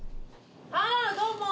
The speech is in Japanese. あーどうも！